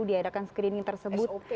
diadakan screening tersebut